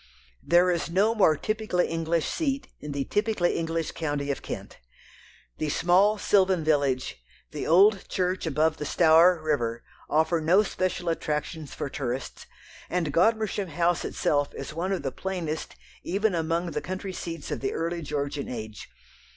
There is no more typically English seat in the typically English county of Kent. The small sylvan village, the old church above the Stour river, offer no special attractions for tourists, and Godmersham House itself is one of the plainest even among the country seats of the early Georgian age.